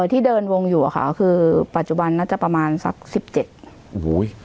ที่เดินวงอยู่อะค่ะคือปัจจุบันน่าจะประมาณสักสิบเจ็ดโอ้โห